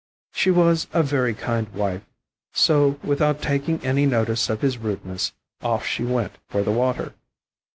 She was a very kind wife, so without taking any notice of his rudeness, off she went for the water.